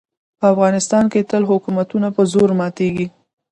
په افغانستان کې تل حکومتونه په زور ماتېږي.